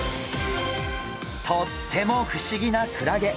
とっても不思議なクラゲ。